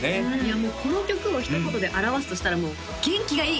もうこの曲をひと言で表すとしたらもう元気がいい！